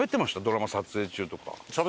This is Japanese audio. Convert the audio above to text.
ドラマ撮影中とか。